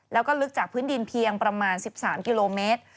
แล้วก็ลึกจากพื้นดินเพียงประมาณ๑๓กิโลเมตร